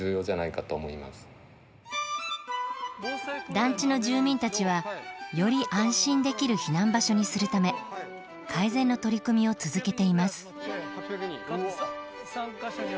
団地の住民たちはより安心できる避難場所にするため改善の取り組みを続けています。